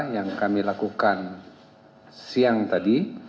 yang kami lakukan siang tadi